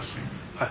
はい。